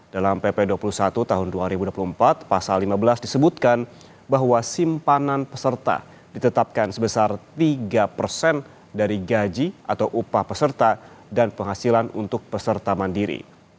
dalam pp dua puluh satu tahun dua ribu dua puluh empat pasal lima belas disebutkan bahwa simpanan peserta ditetapkan sebesar tiga persen dari gaji atau upah peserta dan penghasilan untuk peserta mandiri